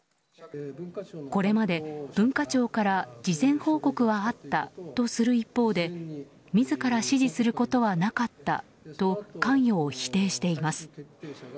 これまで文化庁から事前報告はあったとする一方で自ら指示することはなかったと関与を否定しています。